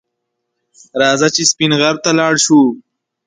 راځه چې سپین غر ته لاړ شو